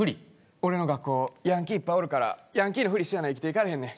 俺の学校ヤンキーいっぱいおるからヤンキーのふりしやな生きていかれへんねん。